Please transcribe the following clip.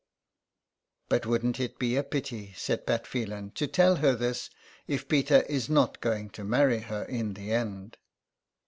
" But wouldn't it be a pity," said Pat Phelan, '' to tell her this if Peter is not going to marry her in the end